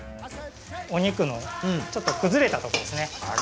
お肉のちょっと崩れたところですね。